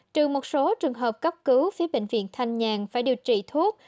trừ một số trường hợp cấp cứu phía bệnh viện thanh nhàn phải điều trị thuốc